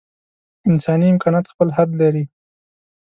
انساني امکانات خپل حد لري.